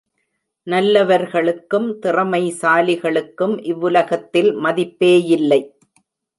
நல்லவர்களுக்கும் திறமைசாலிகளுக்கும், இவ்வுலகத்தில் மதிப்பே யில்லை.